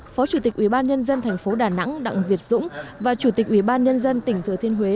phó chủ tịch ủy ban nhân dân thành phố đà nẵng đặng việt dũng và chủ tịch ủy ban nhân dân tỉnh thừa thiên huế